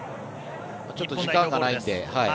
ちょっと時間がないので。